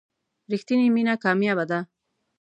رښتینې مینه کمیابه ده.